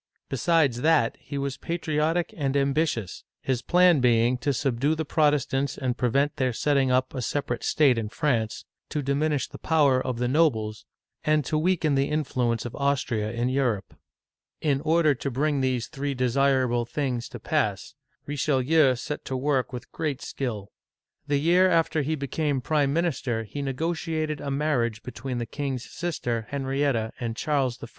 Besides that, he was patriotic and ambitious, his plan being to subdue the Protestants and prevent their setting up a separate state in France ; to diminish the power of the nobles ; and to weaken the influence of Austria in Europe. In order to bring these three desirable things to pass, uigiTizea Dy vjiOOQlC Painting by Rubens. Marie de' Medici. LOUIS XIII. (1610 1643) 305 Richelieu set to work with great skill. The year after he became prime minister he negotiated a .marriage be tween the king's sister Henrietta and Charles I.